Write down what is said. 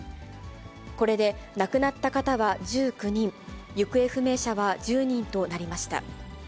これで亡くなった方は１９人、行方不明者は１０人となりました。